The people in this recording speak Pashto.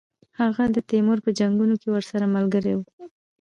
هغه د تیمور په جنګونو کې ورسره ملګری وو.